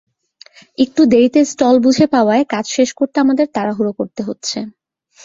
একটু দেরিতে স্টল বুঝে পাওয়ায় কাজ শেষ করতে আমাদের তাড়াহুড়ো করতে হচ্ছে।